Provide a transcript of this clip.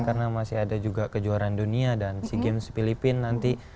karena masih ada juga kejuaraan dunia dan sea games filipina nanti